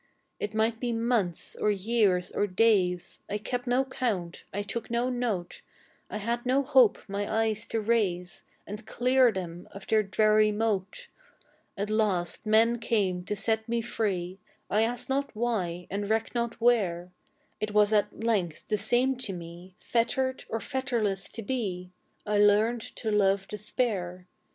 It might be months, or years, or days, I kept no count, I took no note, I had no hope my eyes to raise, And clear them of their dreary mote; At last men came to set me free, I asked not why and recked not where, It was at length the same to me, Fettered or fetterless to be, I learned to love despair.